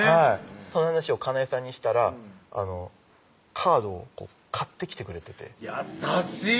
その話を加奈絵さんにしたらカードを買ってきてくれてて優しい！